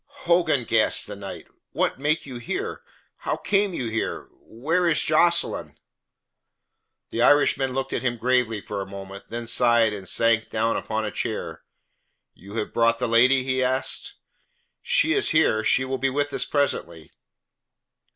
"Hogan!" gasped the knight. "What make you here? How came you here? Where is Jocelyn?" The Irishman looked at him gravely for a moment, then sighed and sank down upon a chair. "You have brought the lady?" he asked. "She is here. She will be with us presently."